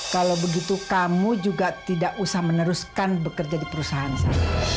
kalau begitu kamu juga tidak usah meneruskan bekerja di perusahaan saya